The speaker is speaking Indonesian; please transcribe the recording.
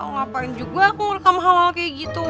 ngapain juga aku ngerekam hal hal kayak gitu